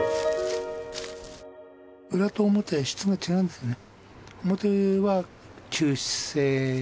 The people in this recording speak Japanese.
裏と表で質が違うんですね